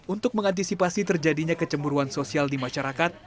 untuk mengantisipasi terjadinya kecemburuan sosial di masyarakat